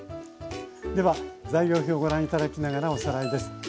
では材料表ご覧頂きながらおさらいです。